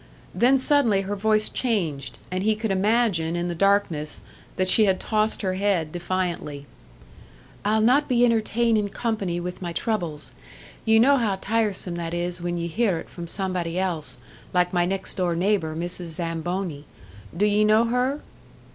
Then suddenly her voice changed and he could imagine in the darkness that she had tossed her head defiantly. "I'll not be entertainin' company with my troubles! Ye know how tiresome that is when ye hear it from somebody else like my next door neighbour, Mrs. Zamboni. D' ye know her?"